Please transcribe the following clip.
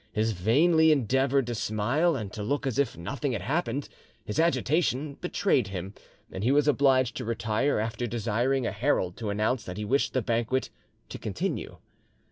He vainly endeavoured to smile and to look as if nothing had happened, his agitation betrayed him, and he was obliged to retire, after desiring a herald to announce that he wished the banquet to continue.